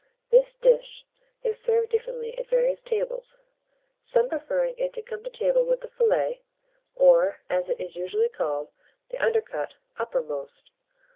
This dish is served differently at various tables, some preferring it to come to table with the fillet, or, as it is usually called, the undercut, uppermost.